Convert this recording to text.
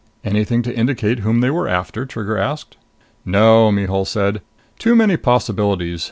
"Anything to indicate whom they were after?" Trigger asked. "No," Mihul said. "Too many possibilities.